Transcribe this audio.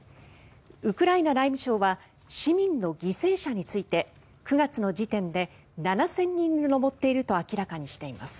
ウクライナ内務省は市民の犠牲者について９月の時点で７０００人に上っていると明らかにしています。